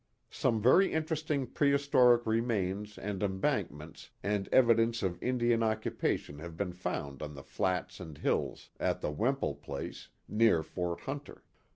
Some very interesting prehistoric remains and embankments and evidences of Indian occupation have been found on the flats and hills at the Wemple place, near Fort Hunter.